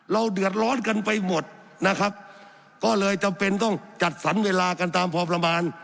เดือดร้อนกันไปหมดนะครับก็เลยจำเป็นต้องจัดสรรเวลากันตามพอประมาณ